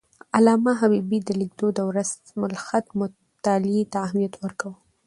علامه حبيبي د لیک دود او رسم الخط مطالعې ته اهمیت ورکاوه.